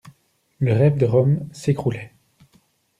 Le rêve de Rome s'écroulait.